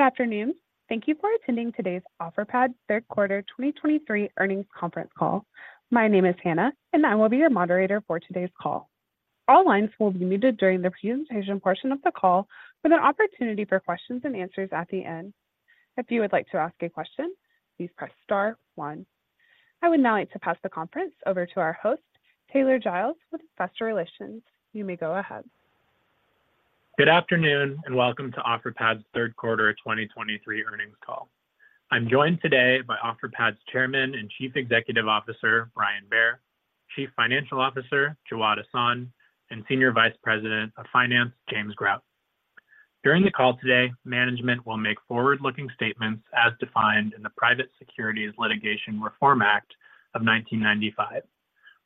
Good afternoon. Thank you for attending today's Offerpad Third Quarter 2023 Earnings Conference Call. My name is Hannah, and I will be your moderator for today's call. All lines will be muted during the presentation portion of the call, with an opportunity for questions and answers at the end. If you would like to ask a question, please press star one. I would now like to pass the conference over to our host, Taylor Giles, with Investor Relations. You may go ahead. Good afternoon, and welcome to Offerpad's Third Quarter 2023 earnings call. I'm joined today by Offerpad's Chairman and Chief Executive Officer, Brian Bair, Chief Financial Officer, Jawad Ahsan, and Senior Vice President of Finance, James Grout. During the call today, management will make forward-looking statements as defined in the Private Securities Litigation Reform Act of 1995.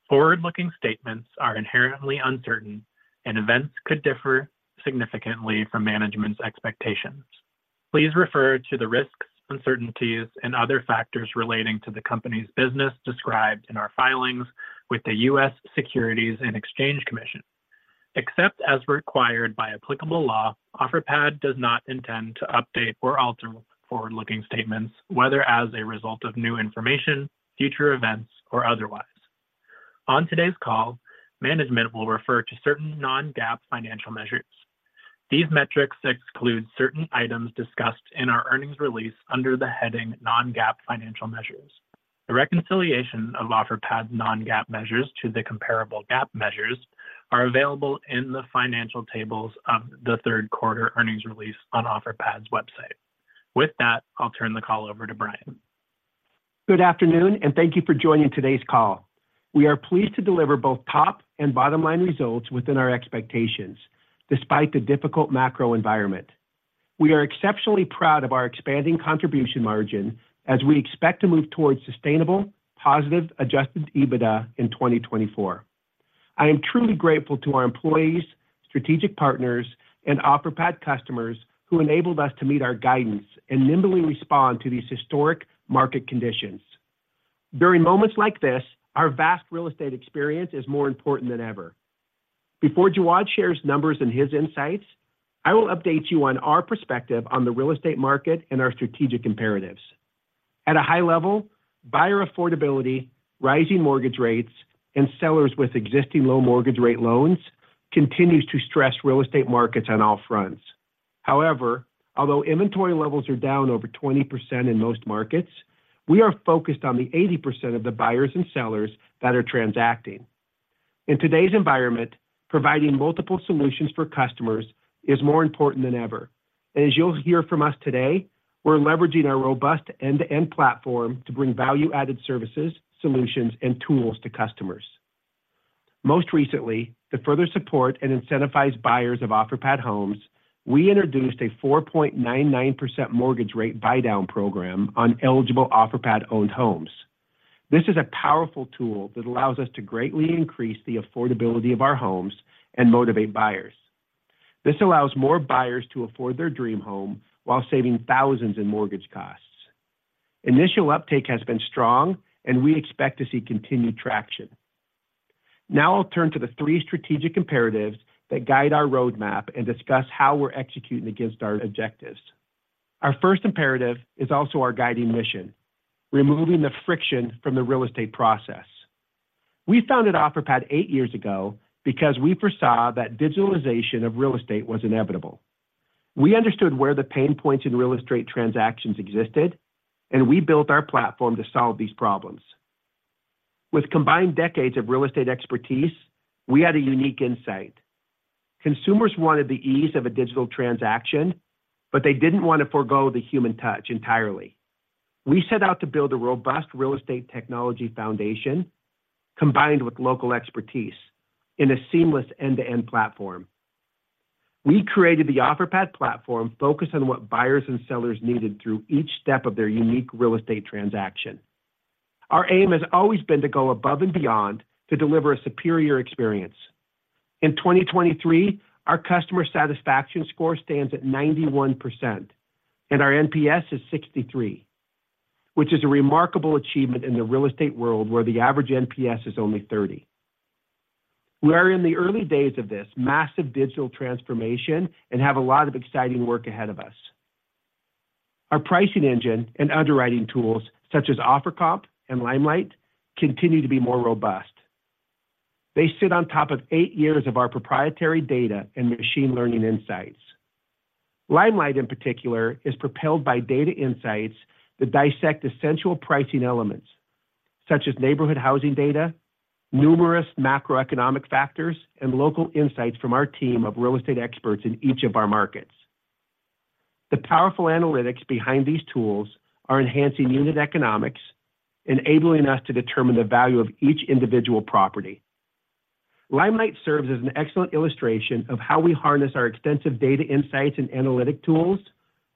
Forward-looking statements are inherently uncertain, and events could differ significantly from management's expectations. Please refer to the risks, uncertainties, and other factors relating to the company's business described in our filings with the U.S. Securities and Exchange Commission. Except as required by applicable law, Offerpad does not intend to update or alter forward-looking statements, whether as a result of new information, future events, or otherwise. On today's call, management will refer to certain non-GAAP financial measures. These metrics exclude certain items discussed in our earnings release under the heading Non-GAAP Financial Measures. A reconciliation of Offerpad's non-GAAP measures to the comparable GAAP measures are available in the financial tables of the third quarter earnings release on Offerpad's website. With that, I'll turn the call over to Brian. Good afternoon, and thank you for joining today's call. We are pleased to deliver both top and bottom-line results within our expectations, despite the difficult macro environment. We are exceptionally proud of our expanding contribution margin as we expect to move towards sustainable, positive Adjusted EBITDA in 2024. I am truly grateful to our employees, strategic partners, and Offerpad customers who enabled us to meet our guidance and nimbly respond to these historic market conditions. During moments like this, our vast real estate experience is more important than ever. Before Jawad shares numbers and his insights, I will update you on our perspective on the real estate market and our strategic imperatives. At a high level, buyer affordability, rising mortgage rates, and sellers with existing low mortgage rate loans continues to stress real estate markets on all fronts. However, although inventory levels are down over 20% in most markets, we are focused on the 80% of the buyers and sellers that are transacting. In today's environment, providing multiple solutions for customers is more important than ever, and as you'll hear from us today, we're leveraging our robust end-to-end platform to bring value-added services, solutions, and tools to customers. Most recently, to further support and incentivize buyers of Offerpad homes, we introduced a 4.99% mortgage rate buydown program on eligible Offerpad-owned homes. This is a powerful tool that allows us to greatly increase the affordability of our homes and motivate buyers. This allows more buyers to afford their dream home while saving thousands in mortgage costs. Initial uptake has been strong, and we expect to see continued traction. Now I'll turn to the three strategic imperatives that guide our roadmap and discuss how we're executing against our objectives. Our first imperative is also our guiding mission removing the friction from the real estate process. We founded Offerpad eight years ago because we foresaw that digitalization of real estate was inevitable. We understood where the pain points in real estate transactions existed, and we built our platform to solve these problems. With combined decades of real estate expertise, we had a unique insight. Consumers wanted the ease of a digital transaction, but they didn't want to forgo the human touch entirely. We set out to build a robust real estate technology foundation, combined with local expertise in a seamless end-to-end platform. We created the Offerpad platform, focused on what buyers and sellers needed through each step of their unique real estate transaction. Our aim has always been to go above and beyond to deliver a superior experience. In 2023, our customer satisfaction score stands at 91%, and our NPS is 63, which is a remarkable achievement in the real estate world, where the average NPS is only 30. We are in the early days of this massive digital transformation and have a lot of exciting work ahead of us. Our pricing engine and underwriting tools, such as OfferComp and Limelight, continue to be more robust. They sit on top of eight years of our proprietary data and machine learning insights. Limelight, in particular, is propelled by data insights that dissect essential pricing elements such as neighborhood housing data, numerous macroeconomic factors, and local insights from our team of real estate experts in each of our markets. The powerful analytics behind these tools are enhancing unit economics, enabling us to determine the value of each individual property. Limelight serves as an excellent illustration of how we harness our extensive data insights and analytic tools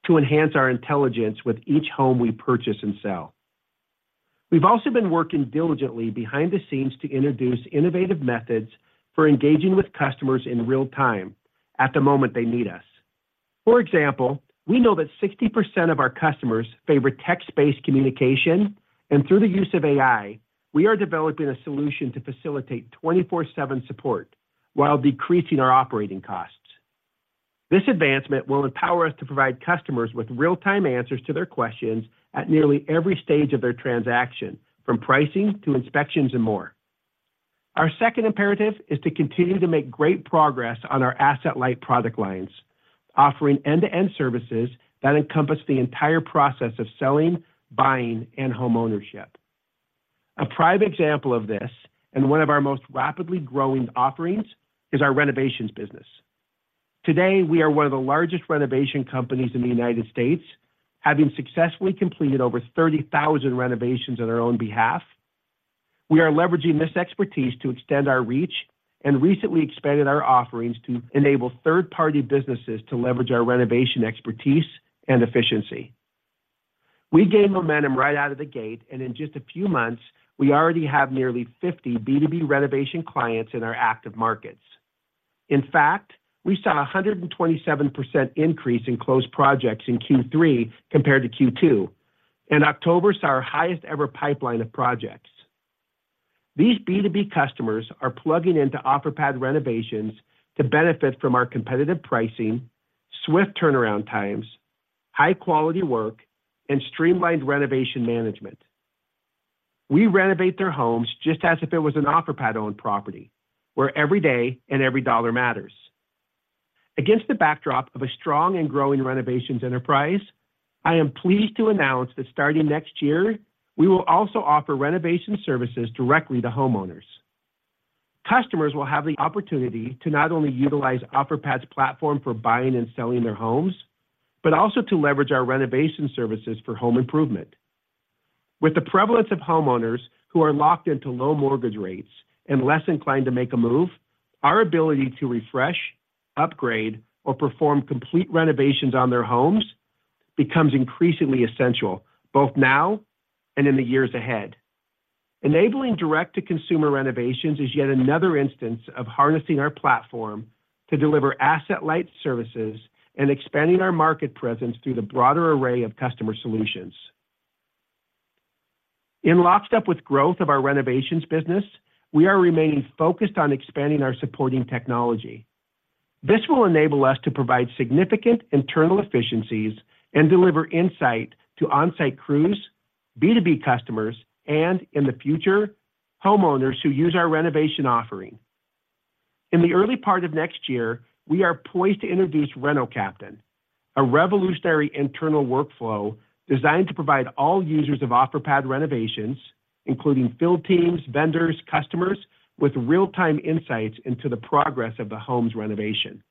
to enhance our intelligence with each home we purchase and sell. We've also been working diligently behind the scenes to introduce innovative methods for engaging with customers in real time at the moment they need us. For example, we know that 60% of our customers favor text-based communication, and through the use of AI, we are developing a solution to facilitate 24/7 support while decreasing our operating costs. This advancement will empower us to provide customers with real-time answers to their questions at nearly every stage of their transaction, from pricing to inspections and more. Our second imperative is to continue to make great progress on our asset-light product lines, offering end-to-end services that encompass the entire process of selling, buying, and homeownership. A prime example of this, and one of our most rapidly growing offerings, is our renovations business. Today, we are one of the largest renovation companies in the United States, having successfully completed over 30,000 renovations on our own behalf. We are leveraging this expertise to extend our reach and recently expanded our offerings to enable third-party businesses to leverage our renovation expertise and efficiency. We gained momentum right out of the gate, and in just a few months, we already have nearly 50 B2B renovation clients in our active markets. In fact, we saw a 127% increase in closed projects in Q3 compared to Q2, and October saw our highest-ever pipeline of projects. These B2B customers are plugging into Offerpad renovations to benefit from our competitive pricing, swift turnaround times, high-quality work, and streamlined renovation management. We renovate their homes just as if it was an Offerpad-owned property, where every day and every dollar matters. Against the backdrop of a strong and growing renovations enterprise, I am pleased to announce that starting next year, we will also offer renovation services directly to homeowners. Customers will have the opportunity to not only utilize Offerpad's platform for buying and selling their homes, but also to leverage our renovation services for home improvement. With the prevalence of homeowners who are locked into low mortgage rates and less inclined to make a move, our ability to refresh, upgrade, or perform complete renovations on their homes becomes increasingly essential, both now and in the years ahead. Enabling direct-to-consumer renovations is yet another instance of harnessing our platform to deliver asset-light services and expanding our market presence through the broader array of customer solutions. In lockstep with growth of our renovations business, we are remaining focused on expanding our supporting technology. This will enable us to provide significant internal efficiencies and deliver insight to on-site crews, B2B customers, and in the future, homeowners who use our renovation offering. In the early part of next year, we are poised to introduce Reno Captain, a revolutionary internal workflow designed to provide all users of Offerpad renovations, including field teams, vendors, customers, with real-time insights into the progress of the home's renovation.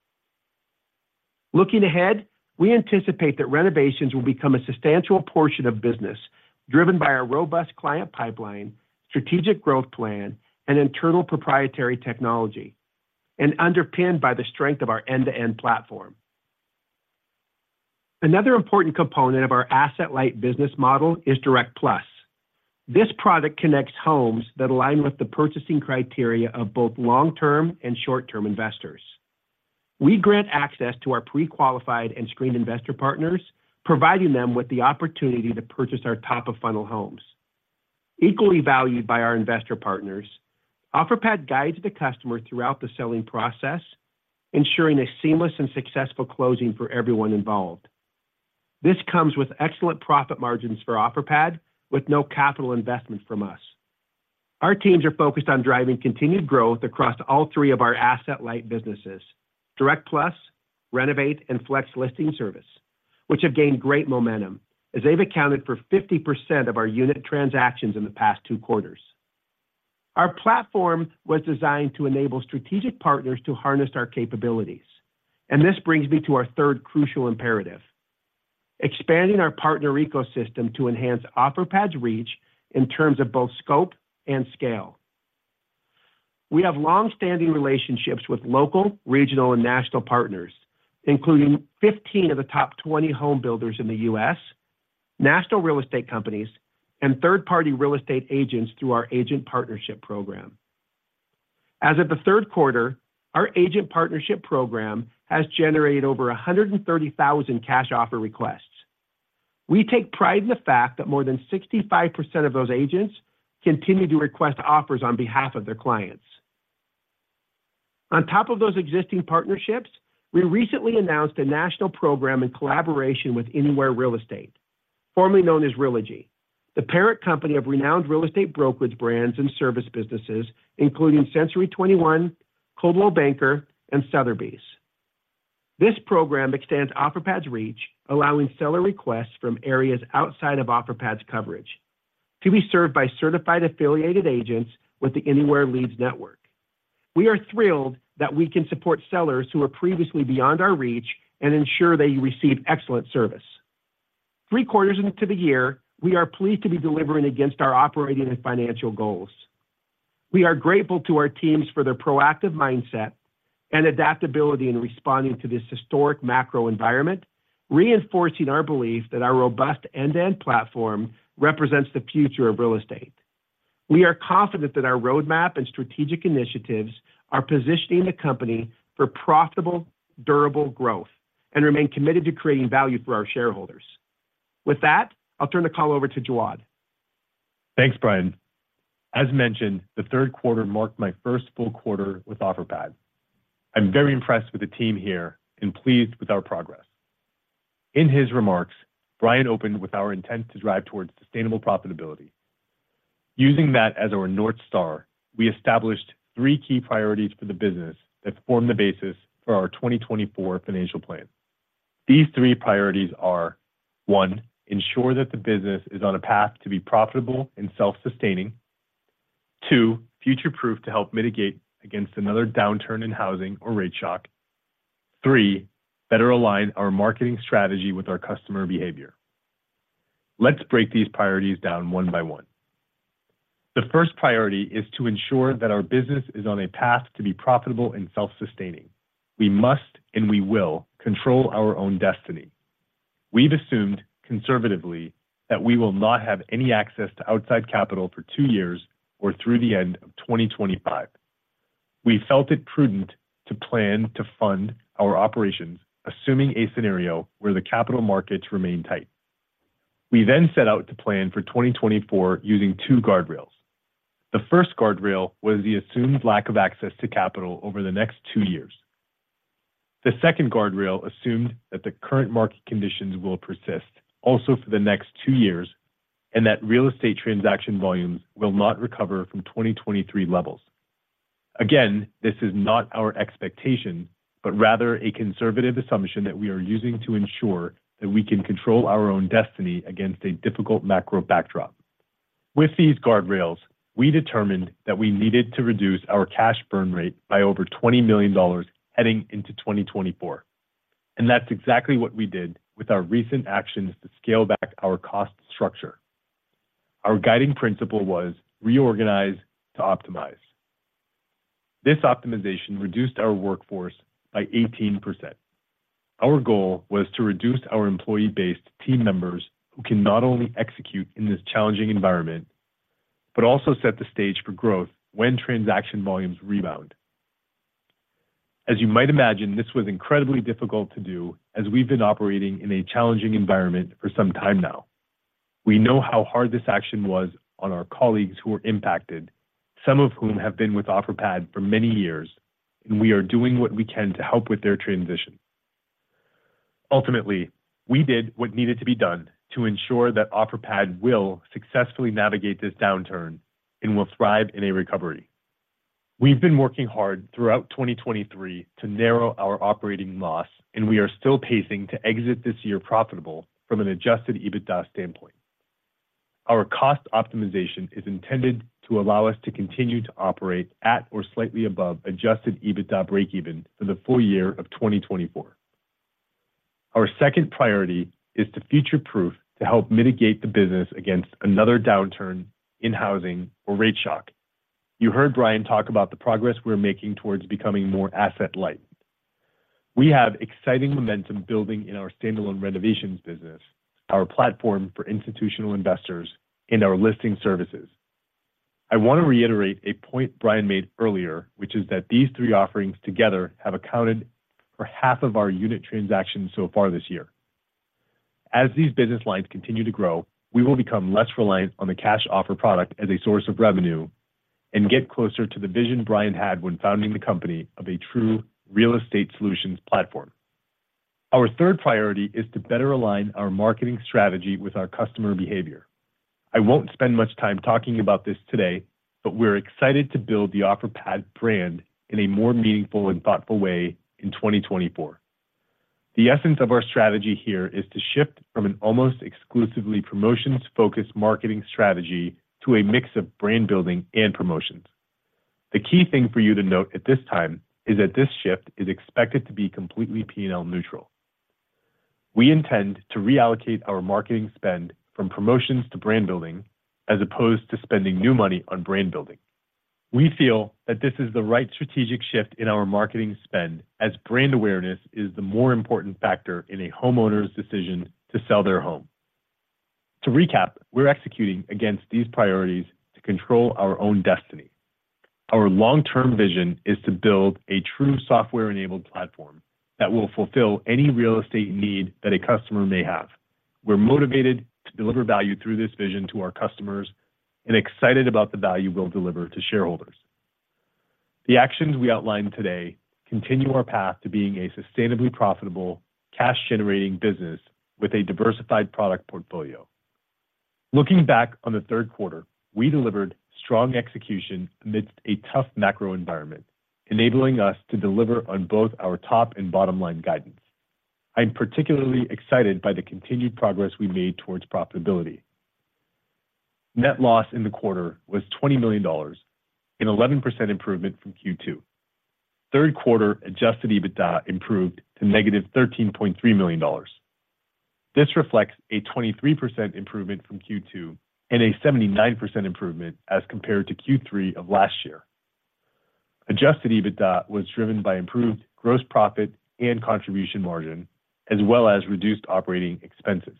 Looking ahead, we anticipate that renovations will become a substantial portion of business, driven by our robust client pipeline, strategic growth plan, and internal proprietary technology, and underpinned by the strength of our end-to-end platform. Another important component of our asset-light business model is Direct+. This product connects homes that align with the purchasing criteria of both long-term and short-term investors. We grant access to our pre-qualified and screened investor partners, providing them with the opportunity to purchase our top-of-funnel homes. Equally valued by our investor partners, Offerpad guides the customer throughout the selling process, ensuring a seamless and successful closing for everyone involved. This comes with excellent profit margins for Offerpad, with no capital investment from us. Our teams are focused on driving continued growth across all three of our asset-light businesses: Direct+, Renovate, and Flex Listing Service, which have gained great momentum as they've accounted for 50% of our unit transactions in the past two quarters. Our platform was designed to enable strategic partners to harness our capabilities, and this brings me to our third crucial imperative: expanding our partner ecosystem to enhance Offerpad's reach in terms of both scope and scale. We have long-standing relationships with local, regional, and national partners, including 15 of the top 20 home builders in the U.S. national real estate companies, and third-party real estate agents through our Agent Partnership Program. As of the third quarter, our Agent Partnership Program has generated over 130,000 cash offer requests. We take pride in the fact that more than 65% of those agents continue to request offers on behalf of their clients. On top of those existing partnerships, we recently announced a national program in collaboration with Anywhere Real Estate, formerly known as Realogy, the parent company of renowned real estate brokerage brands and service businesses, including Century 21, Coldwell Banker, and Sotheby's. This program extends Offerpad's reach, allowing seller requests from areas outside of Offerpad's coverage to be served by certified affiliated agents with the Anywhere Leads network. We are thrilled that we can support sellers who were previously beyond our reach and ensure they receive excellent service. Three quarters into the year, we are pleased to be delivering against our operating and financial goals. We are grateful to our teams for their proactive mindset and adaptability in responding to this historic macro environment, reinforcing our belief that our robust end-to-end platform represents the future of real estate. We are confident that our roadmap and strategic initiatives are positioning the company for profitable, durable growth and remain committed to creating value for our shareholders. With that, I'll turn the call over to Jawad. Thanks, Brian. As mentioned, the third quarter marked my first full quarter with Offerpad. I'm very impressed with the team here and pleased with our progress. In his remarks, Brian opened with our intent to drive towards sustainable profitability. Using that as our North Star, we established three key priorities for the business that form the basis for our 2024 financial plan. These three priorities are: one, ensure that the business is on a path to be profitable and self-sustaining. Two, future-proof to help mitigate against another downturn in housing or rate shock. Three, better align our marketing strategy with our customer behavior. Let's break these priorities down one by one. The first priority is to ensure that our business is on a path to be profitable and self-sustaining. We must, and we will, control our own destiny. We've assumed conservatively that we will not have any access to outside capital for two years or through the end of 2025. We felt it prudent to plan to fund our operations, assuming a scenario where the capital markets remain tight. We then set out to plan for 2024 using two guardrails. The first guardrail was the assumed lack of access to capital over the next two years. The second guardrail assumed that the current market conditions will persist also for the next two years, and that real estate transaction volumes will not recover from 2023 levels. Again, this is not our expectation, but rather a conservative assumption that we are using to ensure that we can control our own destiny against a difficult macro backdrop. With these guardrails, we determined that we needed to reduce our cash burn rate by over $20 million heading into 2024, and that's exactly what we did with our recent actions to scale back our cost structure. Our guiding principle was reorganize to optimize. This optimization reduced our workforce by 18%. Our goal was to reduce our employee base to team members who can not only execute in this challenging environment, but also set the stage for growth when transaction volumes rebound. As you might imagine, this was incredibly difficult to do as we've been operating in a challenging environment for some time now. We know how hard this action was on our colleagues who were impacted, some of whom have been with Offerpad for many years, and we are doing what we can to help with their transition. Ultimately, we did what needed to be done to ensure that Offerpad will successfully navigate this downturn and will thrive in a recovery. We've been working hard throughout 2023 to narrow our operating loss, and we are still pacing to exit this year profitable from an Adjusted EBITDA standpoint. Our cost optimization is intended to allow us to continue to operate at or slightly above Adjusted EBITDA breakeven for the full year of 2024. Our second priority is to future-proof, to help mitigate the business against another downturn in housing or rate shock. You heard Brian talk about the progress we're making towards becoming more asset-light. We have exciting momentum building in our standalone renovations business, our platform for institutional investors, and our listing services. I want to reiterate a point Brian made earlier, which is that these three offerings together have accounted for half of our unit transactions so far this year. As these business lines continue to grow, we will become less reliant on the cash offer product as a source of revenue and get closer to the vision Brian had when founding the company of a true real estate solutions platform. Our third priority is to better align our marketing strategy with our customer behavior. I won't spend much time talking about this today, but we're excited to build the Offerpad brand in a more meaningful and thoughtful way in 2024. The essence of our strategy here is to shift from an almost exclusively promotions-focused marketing strategy to a mix of brand building and promotions. The key thing for you to note at this time is that this shift is expected to be completely P&L neutral. We intend to reallocate our marketing spend from promotions to brand building, as opposed to spending new money on brand building. We feel that this is the right strategic shift in our marketing spend, as brand awareness is the more important factor in a homeowner's decision to sell their home. To recap, we're executing against these priorities to control our own destiny. Our long-term vision is to build a true software-enabled platform that will fulfill any real estate need that a customer may have. We're motivated to deliver value through this vision to our customers and excited about the value we'll deliver to shareholders. The actions we outlined today continue our path to being a sustainably profitable, cash-generating business with a diversified product portfolio. Looking back on the third quarter, we delivered strong execution amidst a tough macro environment, enabling us to deliver on both our top and bottom-line guidance. I'm particularly excited by the continued progress we made towards profitability. Net loss in the quarter was $20 million, an 11% improvement from Q2. Third quarter Adjusted EBITDA improved to -$13.3 million. This reflects a 23% improvement from Q2 and a 79% improvement as compared to Q3 of last year. Adjusted EBITDA was driven by improved gross profit and contribution margin, as well as reduced operating expenses.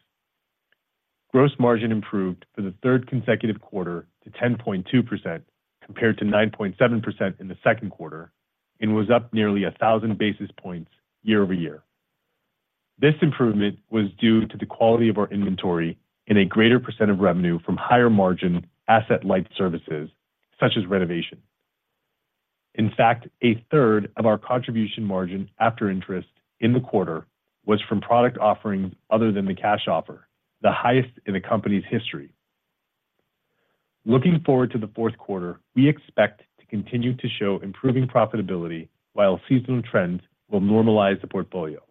Gross margin improved for the third consecutive quarter to 10.2%, compared to 9.7% in the second quarter, and was up nearly 1,000 basis points year-over-year. This improvement was due to the quality of our inventory and a greater % of revenue from higher margin Asset-light services, such as renovation. In fact, a third of our contribution margin after interest in the quarter was from product offerings other than the cash offer, the highest in the company's history. Looking forward to the fourth quarter, we expect to continue to show improving profitability while seasonal trends will normalize the portfolio.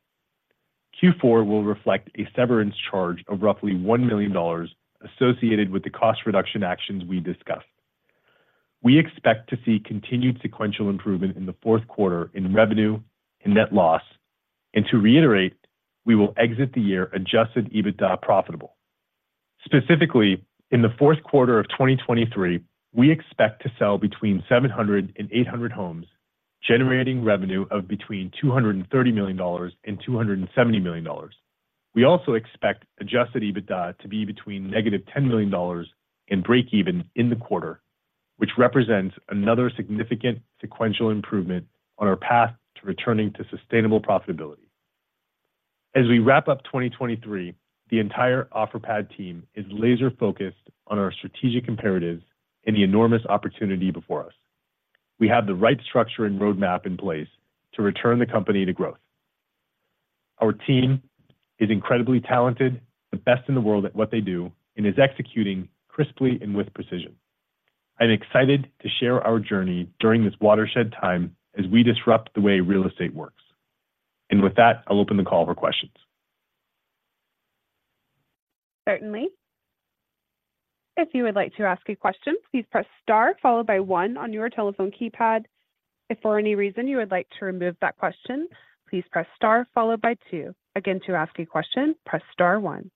Q4 will reflect a severance charge of roughly $1 million associated with the cost reduction actions we discussed. We expect to see continued sequential improvement in the fourth quarter in revenue and net loss, and to reiterate, we will exit the year Adjusted EBITDA profitable. Specifically, in the fourth quarter of 2023, we expect to sell between 700 and 800 homes, generating revenue of between $230 million and $270 million. We also expect Adjusted EBITDA to be between -$10 million and breakeven in the quarter, which represents another significant sequential improvement on our path to returning to sustainable profitability. As we wrap up 2023, the entire Offerpad team is laser-focused on our strategic imperatives and the enormous opportunity before us. We have the right structure and roadmap in place to return the company to growth. Our team is incredibly talented, the best in the world at what they do, and is executing crisply and with precision. I'm excited to share our journey during this watershed time as we disrupt the way real estate works. With that, I'll open the call for questions. Certainly. If you would like to ask a question, please press star followed by one on your telephone keypad. If for any reason you would like to remove that question, please press star followed by two. Again, to ask a question, press star one.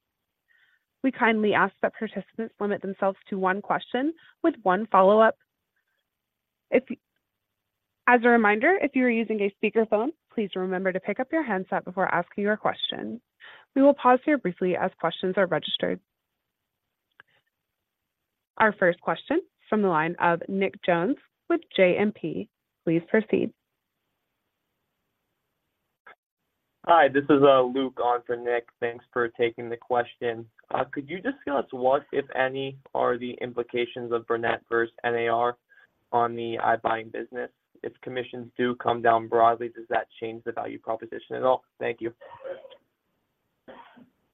We kindly ask that participants limit themselves to one question with one follow-up. As a reminder, if you are using a speakerphone, please remember to pick up your handset before asking your question. We will pause here briefly as questions are registered. Our first question from the line of Nick Jones with JMP. Please proceed. Hi, this is Luke on for Nick. Thanks for taking the question. Could you just tell us what, if any, are the implications of Burnett v. NAR on the iBuying business? If commissions do come down broadly, does that change the value proposition at all? Thank you.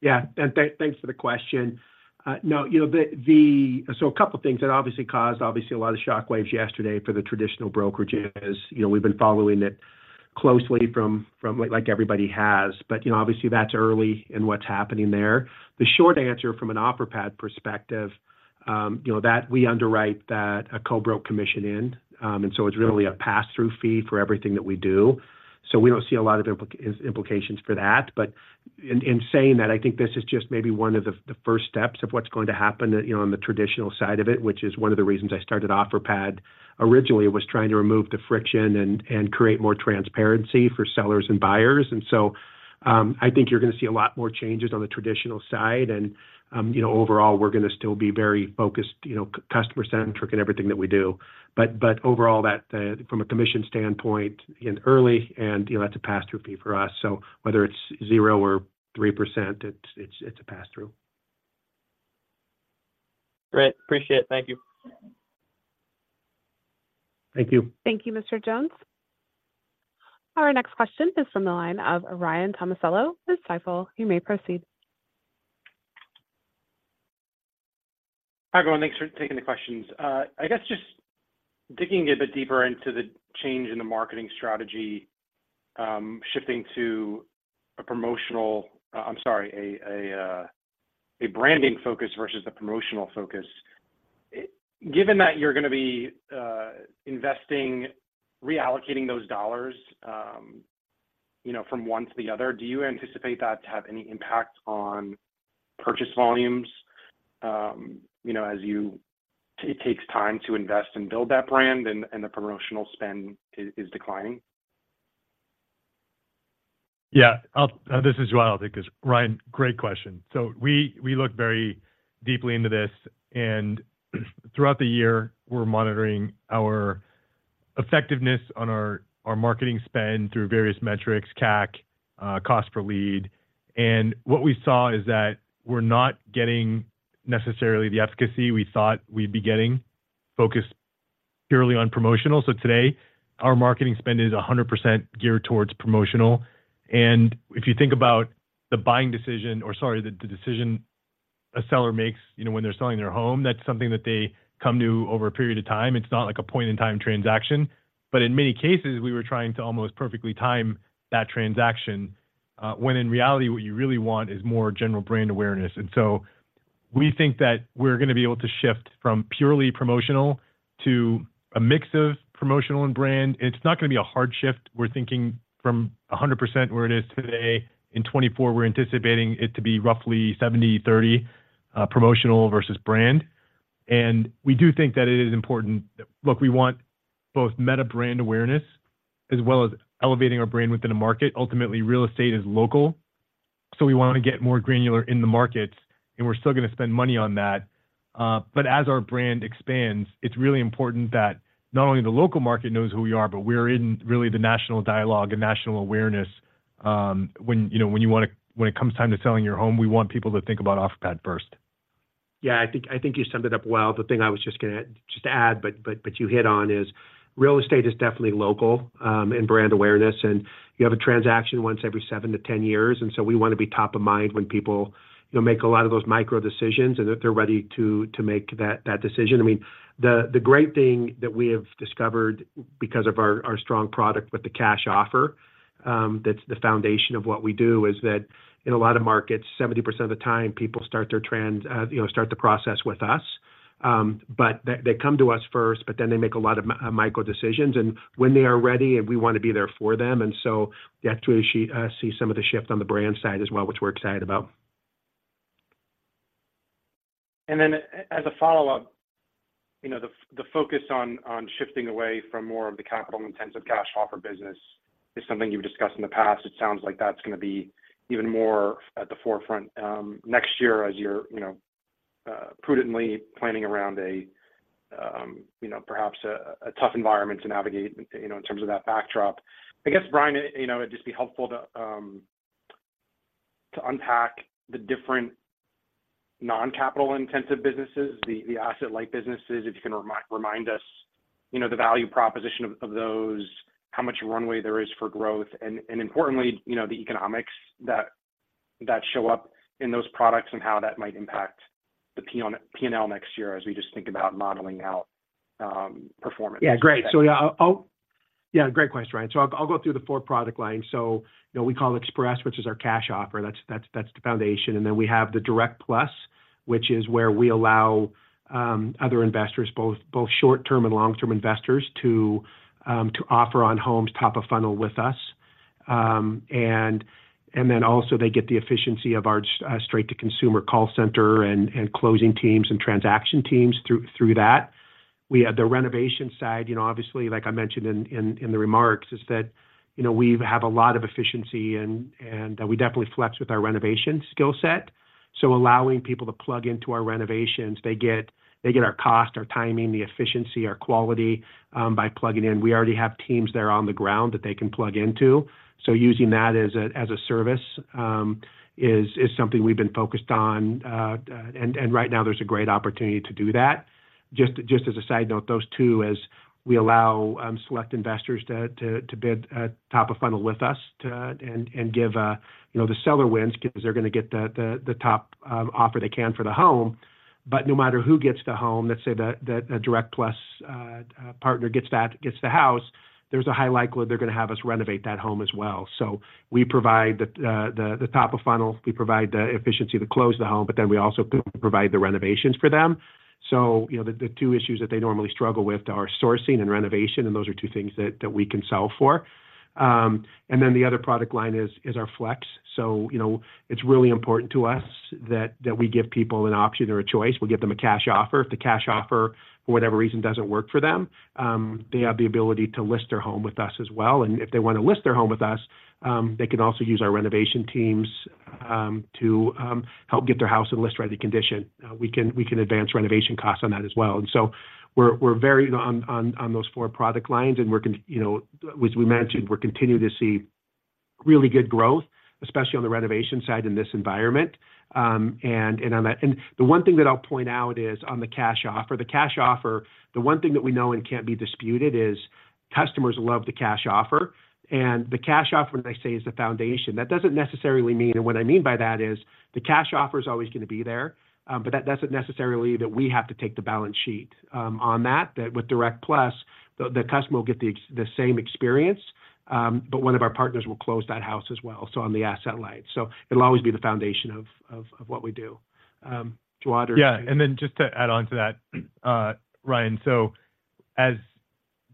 Yeah, thanks for the question. Now, you know, so a couple of things that obviously caused obviously a lot of shock waves yesterday for the traditional brokerages. You know, we've been following it closely from, like, everybody has, but, you know, obviously that's early in what's happening there. The short answer from an Offerpad perspective, you know, that we underwrite that a co-broke commission in, and so it's really a pass-through fee for everything that we do. So we don't see a lot of implications for that. But in saying that, I think this is just maybe one of the first steps of what's going to happen, you know, on the traditional side of it, which is one of the reasons I started Offerpad. Originally, it was trying to remove the friction and create more transparency for sellers and buyers. And so, I think you're going to see a lot more changes on the traditional side and, you know, overall, we're going to still be very focused, you know, customer-centric in everything that we do. But overall, that from a commission standpoint, again, early and, you know, that's a pass-through fee for us. So whether it's 0% or 3%, it's a pass-through. Great. Appreciate it. Thank you. Thank you. Thank you, Mr. Jones. Our next question is from the line of Ryan Tomasello with Stifel. You may proceed. Hi, everyone. Thanks for taking the questions. I guess just digging a bit deeper into the change in the marketing strategy, shifting to a promotional I'm sorry, a branding focus versus the promotional focus. Given that you're gonna be investing, reallocating those dollars, you know, from one to the other, do you anticipate that to have any impact on purchase volumes? You know, as you it takes time to invest and build that brand and the promotional spend is declining. Yeah. This is Jawad. Because, Ryan, great question. So we look very deeply into this, and throughout the year, we're monitoring our effectiveness on our marketing spend through various metrics, CAC, cost per lead. And what we saw is that we're not getting necessarily the efficacy we thought we'd be getting, focused purely on promotional. So today, our marketing spend is 100% geared towards promotional, and if you think about the buying decision or, sorry, the decision a seller makes, you know, when they're selling their home, that's something that they come to over a period of time. It's not like a point-in-time transaction. But in many cases, we were trying to almost perfectly time that transaction, when in reality, what you really want is more general brand awareness. So we think that we're gonna be able to shift from purely promotional to a mix of promotional and brand. It's not gonna be a hard shift. We're thinking from 100% where it is today, in 2024, we're anticipating it to be roughly 70/30 promotional versus brand. And we do think that it is important. Look, we want both meta brand awareness as well as elevating our brand within a market. Ultimately, real estate is local, so we want to get more granular in the markets, and we're still gonna spend money on that. But as our brand expands, it's really important that not only the local market knows who we are, but we're in really the national dialogue and national awareness, you know, when it comes time to selling your home, we want people to think about Offerpad first. Yeah, I think, I think you summed it up well. The thing I was just gonna add, but you hit on is real estate is definitely local in brand awareness, and you have a transaction once every 7-10 years, and so we want to be top of mind when people, you know, make a lot of those micro decisions and that they're ready to make that decision. I mean, the great thing that we have discovered because of our strong product with the cash offer, that's the foundation of what we do, is that in a lot of markets, 70% of the time, people start the process with us. But they come to us first, but then they make a lot of micro decisions, and when they are ready, and we want to be there for them. So you have to actually see some of the shift on the brand side as well, which we're excited about. As a follow-up, you know, the focus on shifting away from more of the capital-intensive cash offer business is something you've discussed in the past. It sounds like that's gonna be even more at the forefront next year as you're, you know, prudently planning around a, you know, perhaps a tough environment to navigate, you know, in terms of that backdrop. I guess, Brian, you know, it'd just be helpful to unpack the different non-capital-intensive businesses, the asset-light businesses, if you can remind us, you know, the value proposition of those, how much runway there is for growth, and importantly, you know, the economics that show up in those products and how that might impact the P&L next year, as we just think about modeling out performance. Yeah, great. Yeah, great question, Ryan. So I'll go through the four product lines. So you know, we call it Express, which is our cash offer. That's the foundation. And then we have the Direct+, which is where we allow other investors, both short-term and long-term investors, to offer on homes, top of funnel with us. And then also they get the efficiency of our straight-to-consumer call center and closing teams and transaction teams through that. We have the renovation side, you know, obviously, like I mentioned in the remarks, is that, you know, we have a lot of efficiency and we definitely flex with our renovation skill set. So allowing people to plug into our renovations, they get our cost, our timing, the efficiency, our quality by plugging in. We already have teams there on the ground that they can plug into. So using that as a service is something we've been focused on, and right now there's a great opportunity to do that. Just as a side note, those two, as we allow select investors to bid top of funnel with us, to and give you know, the seller wins because they're going to get the top offer they can for the home. But no matter who gets the home, let's say that a Direct+ partner gets the house, there's a high likelihood they're going to have us renovate that home as well. So we provide the top of funnel, we provide the efficiency to close the home, but then we also provide the renovations for them. So, you know, the two issues that they normally struggle with are sourcing and renovation, and those are two things that we can solve for. And then the other product line is our Flex. So, you know, it's really important to us that we give people an option or a choice. We'll give them a cash offer. If the cash offer, for whatever reason, doesn't work for them, they have the ability to list their home with us as well. And if they want to list their home with us, they can also use our renovation teams to help get their house in list-ready condition. We can, we can advance renovation costs on that as well. And so we're, we're very on, on, on those four product lines, and we're continuing you know, as we mentioned, we're continuing to see really good growth, especially on the renovation side in this environment. And on that and the one thing that I'll point out is on the cash offer. The cash offer, the one thing that we know and can't be disputed is customers love the cash offer, and the cash offer, they say, is the foundation. That doesn't necessarily mean and what I mean by that is the cash offer is always going to be there, but that doesn't necessarily that we have to take the balance sheet, on that. But with Direct+, the customer will get the same experience, but one of our partners will close that house as well, so on the asset-light. So it'll always be the foundation of what we do. Jawad? Yeah, and then just to add on to that, Ryan, so as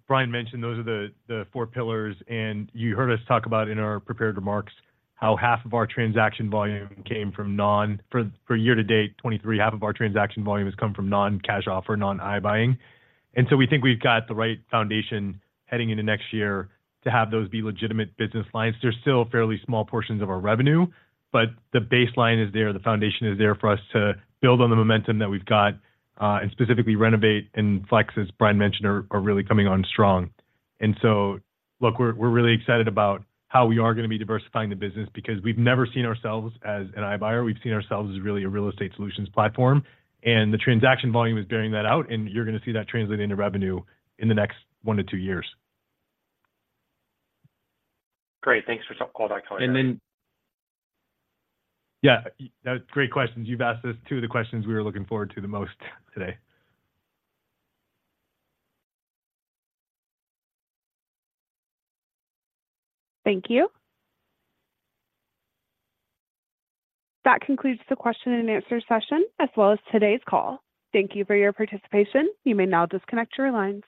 Brian mentioned, those are the four pillars, and you heard us talk about in our prepared remarks how half of our transaction volume came from non-cash offer, non-iBuying for year to date 2023 half of our transaction volume has come from non-cash offer, non-iBuying. And so we think we've got the right foundation heading into next year to have those be legitimate business lines. They're still fairly small portions of our revenue, but the baseline is there. The foundation is there for us to build on the momentum that we've got, and specifically Renovate and Flex, as Brian mentioned, are really coming on strong. And so look, we're really excited about how we are going to be diversifying the business because we've never seen ourselves as an iBuyer. We've seen ourselves as really a real estate solutions platform, and the transaction volume is bearing that out, and you're going to see that translate into revenue in the next 1-2 years. Great. Thanks for calling back. Yeah, great questions. You've asked us two of the questions we were looking forward to the most today. Thank you. That concludes the question and answer session, as well as today's call. Thank you for your participation. You may now disconnect your lines.